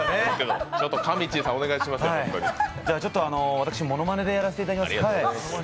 私、ものまねでやらせていただきます。